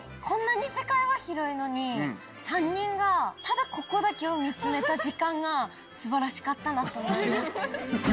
こんなに世界は広いのに、３人がただここだけを見つめた時間がすばらしかったなと思います。